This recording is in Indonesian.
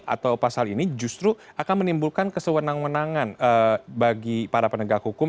atau pasal ini justru akan menimbulkan kesewenang wenangan bagi para penegak hukum